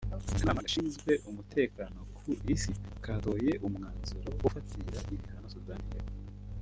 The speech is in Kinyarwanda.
Akanama gashinzwe umutekano ku Isi katoye umwanzuro wo gufatira ibihano Sudani y’Epfo